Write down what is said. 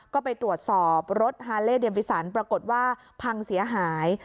ก็ไปตรวจสอบรถฮาเล่เดมบิสันปรากฏว่าพังเสียหาย